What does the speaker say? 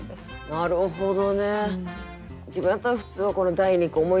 なるほど。